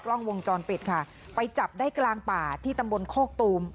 กล้องวงจรปิดค่ะไปจับได้กลางป่าที่ตำบลโคกตูม